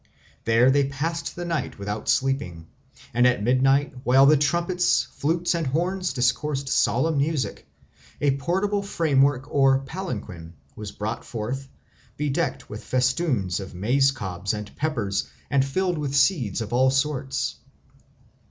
There they passed the night without sleeping, and at midnight, while the trumpets, flutes, and horns discoursed solemn music, a portable framework or palanquin was brought forth, bedecked with festoons of maize cobs and peppers and filled with seeds of all sorts.